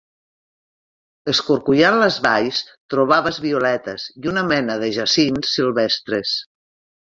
Escorcollant les valls trobaves violetes i una mena de jacints silvestres